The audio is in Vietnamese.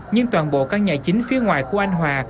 nhưng toàn bộ căn nhà chính phía ngoài của anh hòa